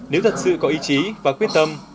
nếu thật sự có ý chí và quyết tâm